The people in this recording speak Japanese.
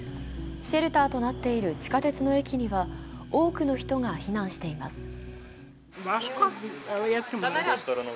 シェルターとなっている地下鉄の駅には、多くの人が避難しています。